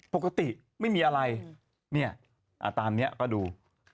ปกติไม่มีอะไรเนี่ยตามนี้ก็ดู